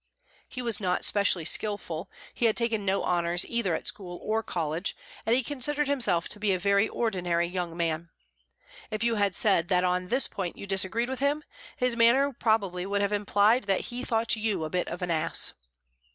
He was not specially skilful, he had taken no honours either at school or college, and he considered himself to be a very ordinary young man. If you had said that on this point you disagreed with him, his manner probably would have implied that he thought you a bit of an ass.